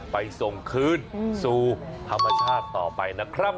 ไปส่งคืนสู่ธรรมชาติต่อไปนะครับ